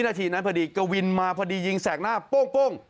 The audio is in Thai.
นาทีนั้นพอดีกวินมาพอดียิงแสกหน้าโป้ง